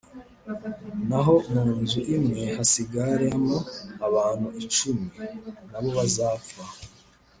Naho mu nzu imwe hasigaramo abantu icumi, na bo bazapfa.